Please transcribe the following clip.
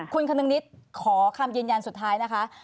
คุณคนึงนิดขอคำยืนยันสุดท้ายนะคะ